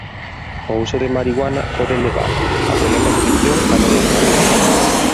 O uso de marihuana pode levar a problemas de adicción a longo prazo.